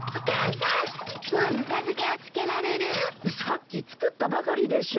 さっき作ったばかりでしょ。